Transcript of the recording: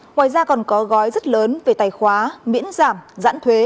ngoài ra còn có gói rất lớn về tài khoá miễn giảm giãn thuế